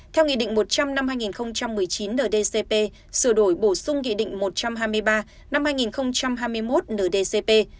theo nghị định một trăm linh năm hai nghìn một mươi chín ndcp sửa đổi bổ sung nghị định một trăm hai mươi ba năm hai nghìn hai mươi một ndcp